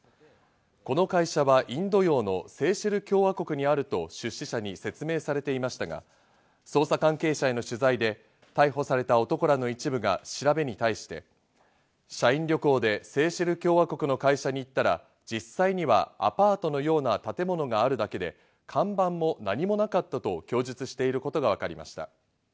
この会社はインド洋のセーシェル共和国にあると出資者に説明されていましたが、捜査関係者への取材で逮捕された男らの一部が調べに対して、社員旅行でセーシェル共和国の会社に行ったら、実際にはアパートのような建物があるだけで、看板も何もなかったと供述していることがわかりました。